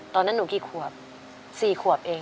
ตอนนั้นหนูกี่ขวบ๔ขวบเอง